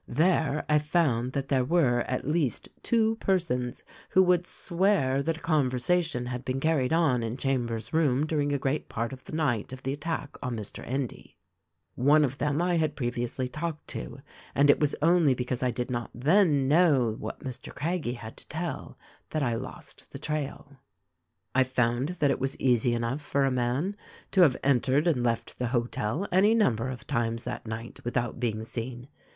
There I found that there were at least two persons who would swear that a conversation had been carried on in Chambers' room during a great part of the night of the attack on Mr. Endy. One of them I had previously talked to, and it was only because I did not then know what Mr. Craggie had to tell that I lost the trail. I found that it was easy enough for a man to have entered and left the hotel any number of times that night without being seen.